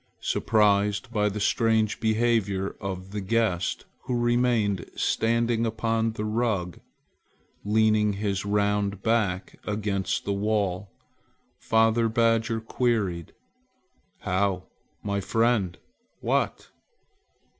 Surprised by the strange behavior of the guest who remained standing upon the rug, leaning his round back against the wall, father badger queried: "How, my friend! What?"